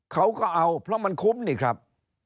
เขาก็เอาเพราะมันคุ้มนี่ครับ